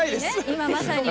今まさに。